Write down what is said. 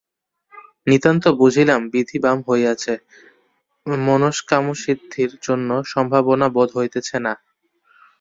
নিতান্ত বুঝিলাম বিধি বাম হইয়াছে মনস্কামসিদ্ধির কোন সম্ভাবনা বোধ হইতেছে না।